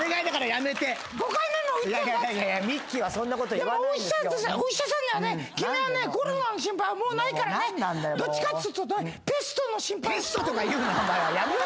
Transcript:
「でもお医者さんにはね君はねコロナの心配はもうないからねどっちかっつうとねペストの心配」ペストとか言うな！